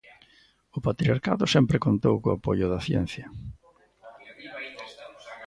O patriarcado sempre contou co apoio da ciencia.